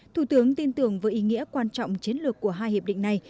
thủ tướng tin tưởng với ý nghĩa quan trọng chiến lược của hai hiệp định này